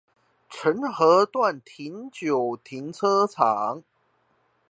澄合段停九停車場